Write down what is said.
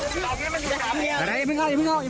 คิดถึงเมียขึ้นมาเลยหรือยังไง